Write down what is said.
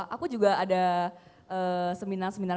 aku juga ada seminar seminar